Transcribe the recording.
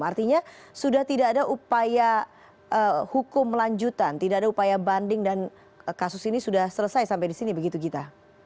artinya sudah tidak ada upaya hukum lanjutan tidak ada upaya banding dan kasus ini sudah selesai sampai di sini begitu gita